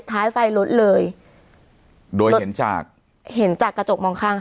ท้ายไฟรถเลยโดยเห็นจากเห็นจากกระจกมองข้างค่ะ